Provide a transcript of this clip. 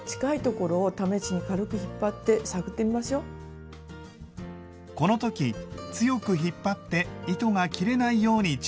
この時強く引っ張って糸が切れないように注意しましょう。